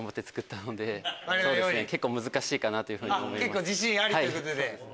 結構自信ありということで。